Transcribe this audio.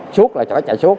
suốt là phải chạy suốt